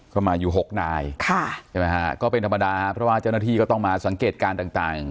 เขามาอยู่หกนายก็เป็นธรรมดาเพราะว่าเจ้าหน้าที่ก็ต้องมาสังเกตการณ์ต่าง